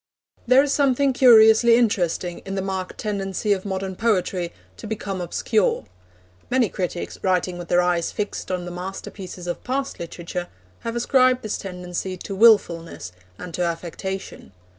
There is something curiously interesting in the marked tendency of modern poetry to become obscure. Many critics, writing with their eyes fixed on the masterpieces of past literature, have ascribed this tendency to wilfulness and to affectation.